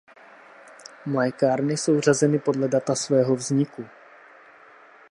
Mlékárny jsou řazeny podle data svého vzniku.